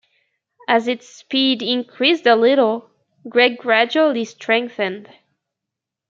As its speed increased a little, Greg gradually strengthened.